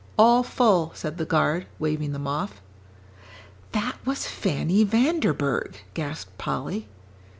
"All full," said the guard, waving them off. "That was Fanny Vanderburgh," gasped Polly.